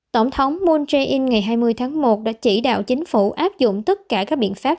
tổng thống moon jae in ngày hai mươi tháng một đã chỉ đạo chính phủ áp dụng tất cả các biện pháp